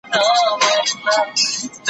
زه به سبا د درسونو يادونه وکړم!؟